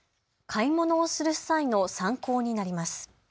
買い物をする際の参考になります。